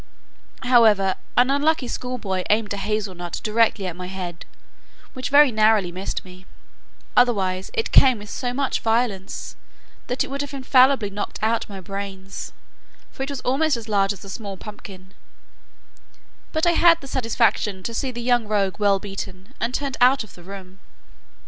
However, an unlucky school boy aimed a hazel nut directly at my head, which very narrowly missed me; otherwise it came with so much violence, that it would have infallibly knocked out my brains, for it was almost as large as a small pumpkin, but I had the satisfaction to see the young rogue well beaten, and turned out of the room.